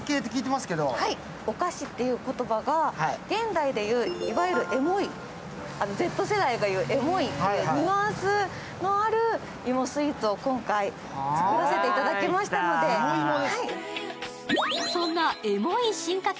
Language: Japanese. お菓子という言葉が現代で言ういわゆるエモい、Ｚ世代が言うエモいというニュアンスのある芋スイーツを今回、作らせていただきましたのでエモいもですか。